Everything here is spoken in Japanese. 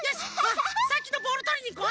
あさっきのボールとりにいこう。